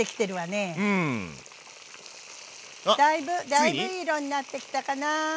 だいぶいい色になってきたかな。